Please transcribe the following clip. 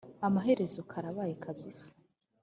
amaherezo karabaye kabisa